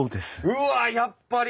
うわやっぱり！